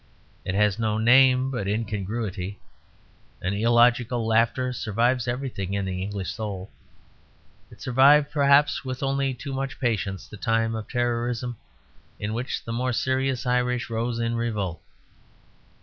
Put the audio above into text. It has no name but incongruity. An illogical laughter survives everything in the English soul. It survived, perhaps, with only too much patience, the time of terrorism in which the more serious Irish rose in revolt.